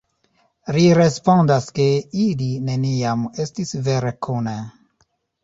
Li respondas ke ili neniam estis vere kune.